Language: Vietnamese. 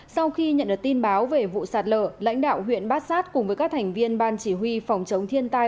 sau khi nhận được tin báo về vụ sạt lở lãnh đạo huyện bát sát cùng với các thành viên ban chỉ huy phòng chống thiên tai